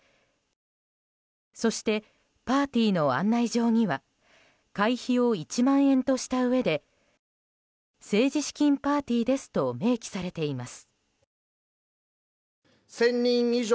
そして、パーティーの案内状には会費を１万円としたうえで政治資金パーティーですと明記されています。